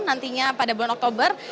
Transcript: nantinya pada bulan oktober